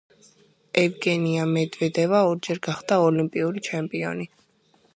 ევგენია მედვედევა ორჯერ გახდა ოლიმპიური ჩემპიონი.